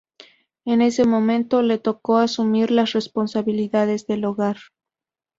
En ese momento, le tocó asumir las responsabilidades del hogar.